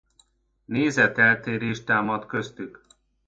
Nézeteltérés támad köztük.